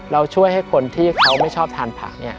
เราช่วยให้คนที่เขาไม่ชอบทานผัก